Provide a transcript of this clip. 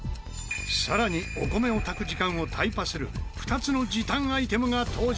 更にお米を炊く時間をタイパする２つの時短アイテムが登場。